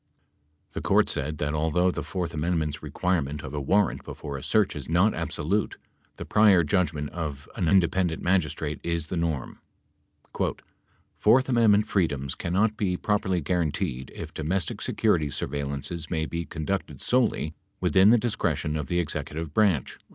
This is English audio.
The Court said that, although the fourth amendment's requirement of a warrant before a search is not absolute, the prior judgment of an independent magistrate is the norm. "Fourth amendment freedoms cannot be properly guaranteed if domestic security surveillances may be conducted solely within the discretion of the executive branch."